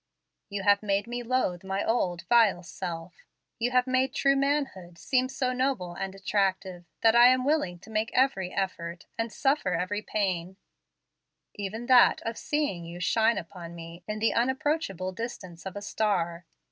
You have made me loathe my old, vile self. You have made true manhood seem so noble and attractive that I am willing to make every effort, and suffer any pain, even that of seeing you shine upon me in the unapproachable distance of a star.